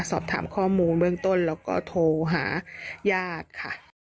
สอบถามข้อมูลเบื้องต้นแล้วก็โทรหาญาติค่ะ